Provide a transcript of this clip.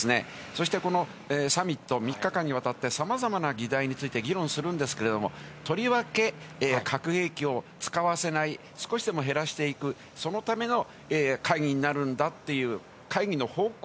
そしてこのサミット、３日間にわたってさまざまな議題について議論するんですけれども、とりわけ核兵器を使わせない、少しでも減らしていく、そのための会議になるんだっていう、会議の方向